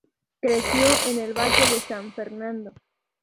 Creció en el Valle de San Fernando.